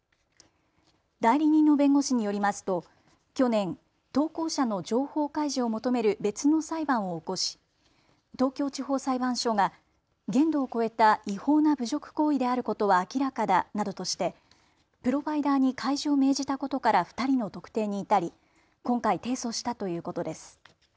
代理人の弁護士によりますと去年、投稿者の情報開示を求める別の裁判を起こし東京地方裁判所が限度を超えた違法な侮辱行為であることは明らかだなどとしてプロバイダーに開示を命じたことから２人の特定に至り今回、提訴したということです。